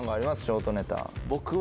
ショートネタ。